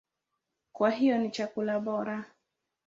Kwa hiyo ni chakula bora.